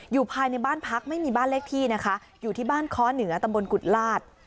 อยู่ภายในบ้านพักไม่มีบ้านเลขที่นะคะอยู่ที่บ้านค้อเหนือตำบลกุฎลาศ